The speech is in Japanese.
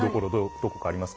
どこかありますか？